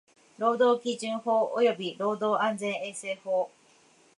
労働基準法及び労働安全衛生法